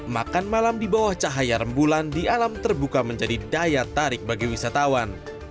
makan malam di bawah cahaya rembulan di alam terbuka menjadi daya tarik bagi wisatawan